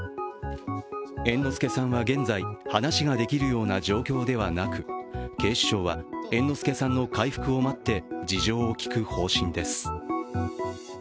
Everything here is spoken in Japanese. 猿之助さんは現在、話ができるような状況ではなく、警視庁は猿之助さんの回復を待って事情を聴く方針です。